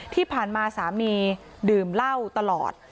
ที่ผ่านมาสามีดื่มเหล้าตลอด